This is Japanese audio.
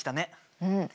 うん。